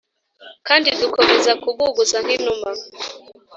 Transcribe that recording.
kandi dukomeza kuguguza nk inuma.